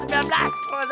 kalau gak masalah